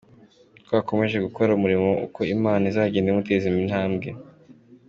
com ko akomeje gukora umurimo uko Imana izagenda imuteza intambwe.